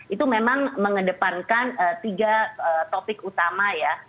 itu memang mengedepankan tiga topik utama ya